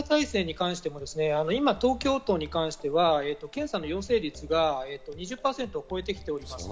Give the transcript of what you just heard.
今、東京都に関しては、検査の陽性率が２０％を超えてきております。